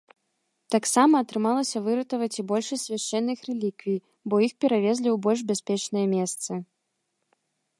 Таксама атрымалася выратаваць і большасць свяшчэнных рэліквій, бо іх перавезлі у больш бяспечныя месцы.